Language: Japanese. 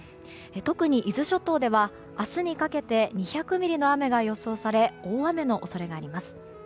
特に伊豆諸島では明日にかけて２００ミリの雨が予想され大雨の恐れがあります。